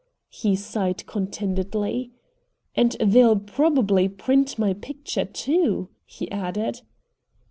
'" He sighed contentedly. "And they'll probably print my picture, too," he added.